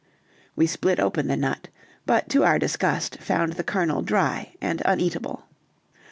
We split open the nut, but, to our disgust, found the kernel dry and uneatable.